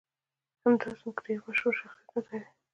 هېواد زموږ د مشهورو شخصیتونو ځای دی